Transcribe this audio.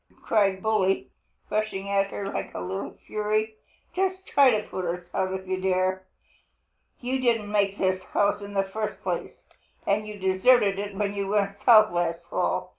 cried Bully, rushing at her like a little fury. "Just try to put us out if you dare! You didn't make this house in the first place, and you deserted it when you went south last fall.